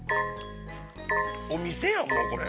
◆お店やん、もうこれ。